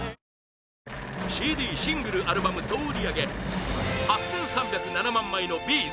シングル・アルバム総売り上げ８３０７万枚のＢ